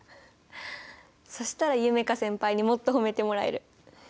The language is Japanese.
そしたら夢叶先輩にもっと褒めてもらえる。